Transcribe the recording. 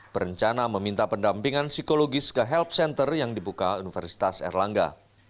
berencana meminta pendampingan psikologis ke help center yang dibuka universitas erlangga